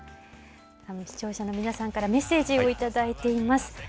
視聴者の皆さんからメッセージを頂いています。